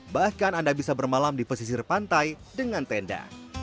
bahkan anda bisa bermalam di pesisir pantai dengan tenda